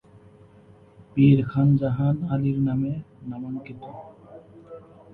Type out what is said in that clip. পীর খান জাহান আলীর নামে নামাঙ্কিত।